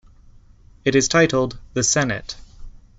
It is titled, The Senate.